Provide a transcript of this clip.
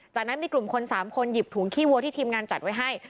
จากนั้นมีกลุ่มคน๓คนหยิบถุงขี้วัวที่ทีมงานจัดไว้ให้